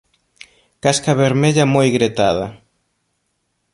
Casca vermella moi gretada.